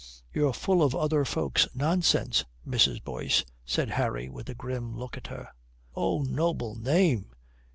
'" "You're full of other folks' nonsense, Mrs. Boyce," said Harry with a grim look at her. "Oh, noble name!"